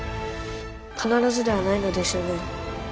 必ずではないのですよね。